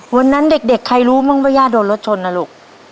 วันนั้นเด็กใครรู้บ้างว่าย่าโดนรถชนนะลูก